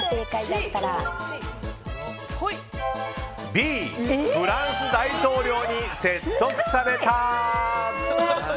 Ｂ、フランスの大統領に説得された。